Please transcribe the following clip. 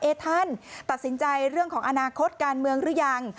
ท่านตัดสินใจเรื่องของอนาคตการเมืองหรือยัง